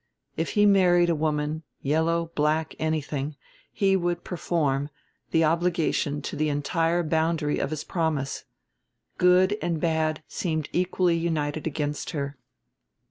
If he married a woman, yellow, black, anything, he would perform, the obligation to the entire boundary of his promise. Good and bad seemed equally united against her.